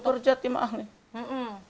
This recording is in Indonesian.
itu kerja timah nih